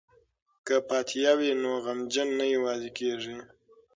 که فاتحه وي نو غمجن نه یوازې کیږي.